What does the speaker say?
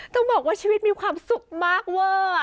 ต้องบอกว่าชีวิตมีความสุขมากเวอร์